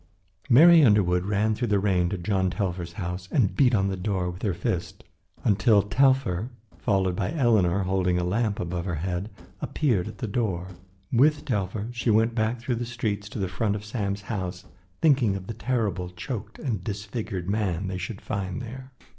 Mary Underwood ran through the rain to John Telfer's house and beat on the door with her fist until Telfer, followed by Eleanor, holding a lamp above her head, appeared at the door. With Telfer she went back through the streets to the front of Sam's house thinking of the terrible choked and disfigured man they should find there.